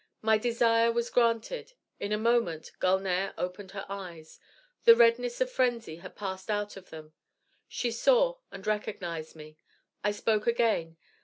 My desire was granted. In a moment Gulnare opened her eyes. The redness of frenzy had passed out of them. She saw and recognized me. I spoke again.